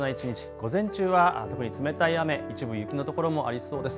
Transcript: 午前中は特に冷たい雨、一部、雪の所もありそうです。